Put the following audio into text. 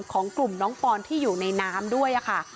ของกลุ่มน้องปอนที่อยู่ในน้ำด้วยค่ะ